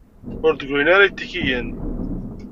Ur d-ggrin ara yitikiyen.